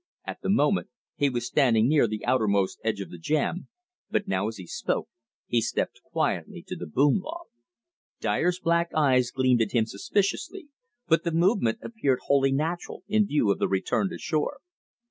At the moment, he was standing near the outermost edge of the jam, but now as he spoke he stepped quietly to the boom log. Dyer's black eyes gleamed at him suspiciously, but the movement appeared wholly natural in view of the return to shore.